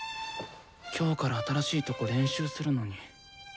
今日から新しいとこ練習するのに。